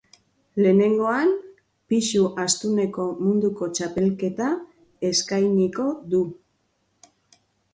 Lehenengoan, pisu astuneko munduko txapelketa eskainiko du.